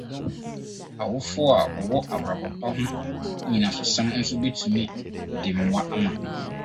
Awofo a wɔwɔ abrabɔ pa ho nnyinasosɛm nso betumi de mmoa ama.